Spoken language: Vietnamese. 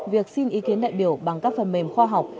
việc xin ý kiến đại biểu bằng các phần mềm khoa học